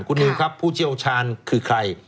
คุณนิวครับผู้เชี่ยวชาญคือใคร